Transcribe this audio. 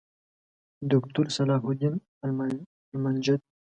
دوکتورصلاح الدین المنجد